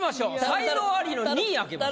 才能アリの２位開けます。